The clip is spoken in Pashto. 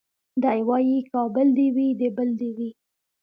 دی وايي کابل دي وي د بل دي وي